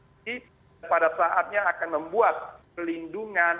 pada saatnya akan membuat pelindungan